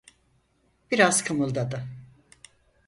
Biraz kımıldadı.